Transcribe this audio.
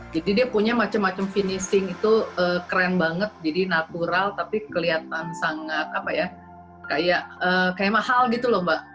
jadi dia punya macam macam finishing itu keren banget jadi natural tapi kelihatan sangat apa ya kayak mahal gitu loh mbak